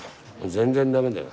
全然駄目だよ。